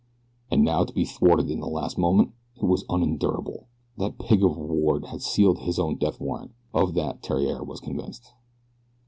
And now to be thwarted at the last moment! It was unendurable. That pig of a Ward had sealed his own death warrant, of that Theriere was convinced.